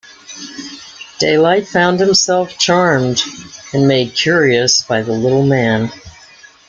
Daylight found himself charmed and made curious by the little man.